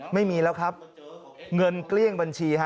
ไม่มีแล้วครับเงินเกลี้ยงบัญชีฮะ